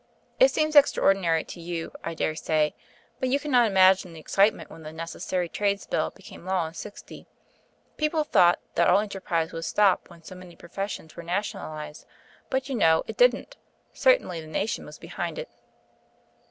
It seems extraordinary to you, I dare say, but you cannot imagine the excitement when the Necessary Trades Bill became law in '60. People thought that all enterprise would stop when so many professions were nationalised; but, you know, it didn't. Certainly the nation was behind it."